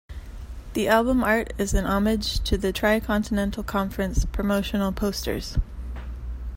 The album art is a homage to the Tricontinental Conference promotional posters.